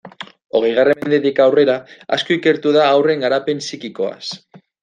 Hogeigarren mendetik aurrera asko ikertu da haurren garapen psikikoaz.